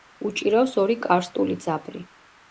უჭირავს ორი კარსტული ძაბრი.